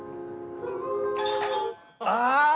ああ！